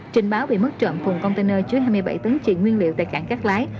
trình báo bị mất trộm cùng container chứa hai mươi bảy tấn trị nguyên liệu tại cảng cát lái